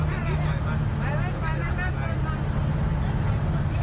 ที่อยากนั้นมาเออไว้มันทางบ้าน